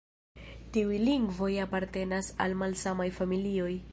Tiuj lingvoj apartenas al malsamaj familioj.